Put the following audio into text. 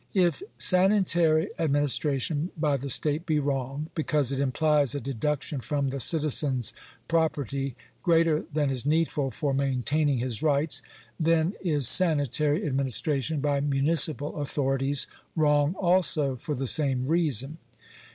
If sanitary administra tion by the state be wrong, because it implies a deduction from the citizen's property greater than is needful for maintaining his rights, then is sanitary administration by municipal au thorities wrong also for the same reason.